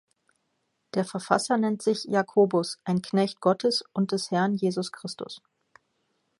Der Verfasser nennt sich "Jakobus, ein Knecht Gottes und des Herrn Jesus Christus".